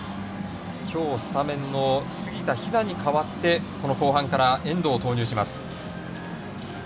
今日、スタメンの杉田妃和に代わって後半から遠藤を投入します。